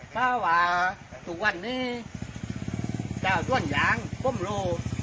เพราะว่าตุ๊กวันนี้เธอต้วนยังค์คุมโล